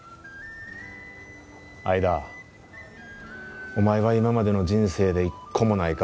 相田お前は今までの人生で一個もないか？